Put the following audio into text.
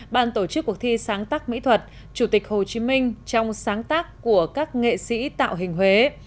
ban tổ chức cuộc thi sáng tác mỹ thuật chủ tịch hồ chí minh trong sáng tác của các nghệ sĩ tạo hình huế